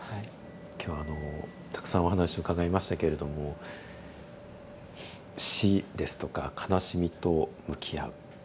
今日はあのたくさんお話を伺いましたけれども死ですとか悲しみと向き合う。